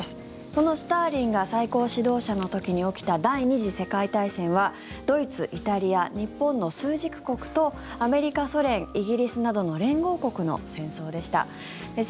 このスターリンが最高指導者の時に起きた第２次世界大戦はドイツ、イタリア、日本の枢軸国とアメリカ、ソ連、イギリスなどの連合国の戦争でした。